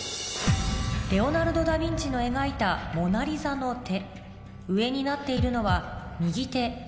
レオナルド・ダ・ヴィンチの描いた『モナリザ』の手